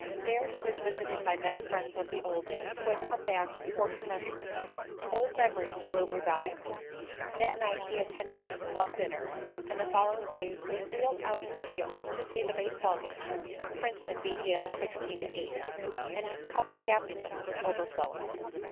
There he was visited by many friends of the old days, who had come back for Commencement. Old memories were revived. That night he attended his club dinner, and the following day was wheeled out to the field to see the baseball game, Princeton beat Yale 16 to 8, and his cup of happiness was overflowing.